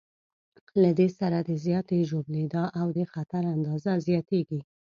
له دې سره د زیاتې ژوبلېدا او د خطر اندازه زیاتېږي.